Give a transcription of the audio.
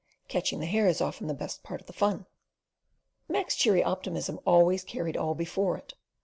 Catching the hare's often the best part of the fun." Mac's cheery optimism always carried all before it.